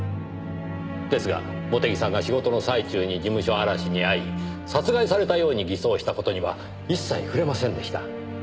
ですが茂手木さんが仕事の最中に事務所荒らしに遭い殺害されたように偽装した事には一切触れませんでした。